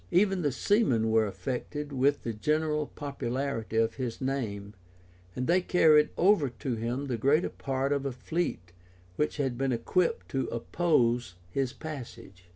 785] Even the seamen were affected with the general popularity of his name, and they carried over to him the greater part of a fleet which had been equipped to oppose his passage.